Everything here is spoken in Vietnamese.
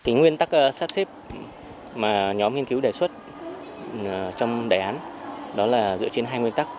nguyên tắc sắp xếp mà nhóm nghiên cứu đề xuất trong đề án đó là dựa trên hai nguyên tắc